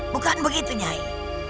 bukan begitu nyai